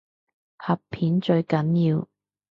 拍片最緊要